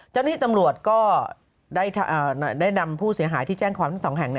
เจ้าหน้าที่ตำรวจก็ได้นำผู้เสียหายที่แจ้งความทั้งสองแห่ง